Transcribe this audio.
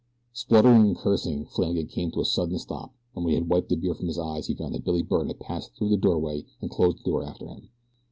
Spluttering and cursing, Flannagan came to a sudden stop, and when he had wiped the beer from his eyes he found that Billy Byrne had passed through the doorway and closed the door after him.